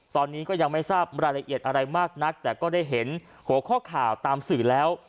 ตอนนี้ก็ยังไม่ทราบรายละเอียดอะไรมากนักแต่ก็ได้เห็นหัวข้อข่าวตามสื่อแล้ว